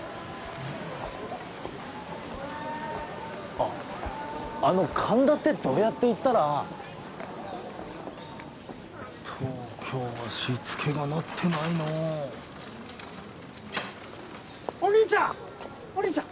あッあの神田ってどうやって行ったら東京はしつけがなってないのうお兄ちゃんお兄ちゃん